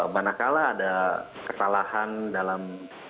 manakala ada kesalahan dalam